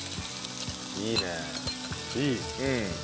いいねえ。